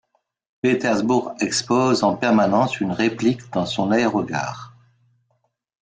Petersburg expose en permanence une réplique dans son aérogare.